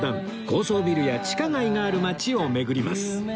高層ビルや地下街がある街を巡ります